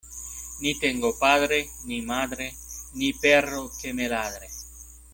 Ni tengo padre, ni madre, ni perro que me ladre.